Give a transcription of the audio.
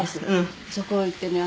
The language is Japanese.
そこ行ってね